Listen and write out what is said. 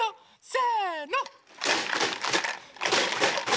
せの！